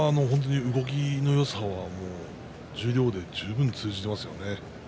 動きのよさは十両で十分通じますよね。